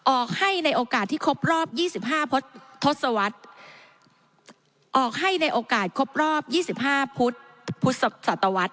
ออกให้ในโอกาสที่ครบรอบ๒๕พุทธศตวรรษ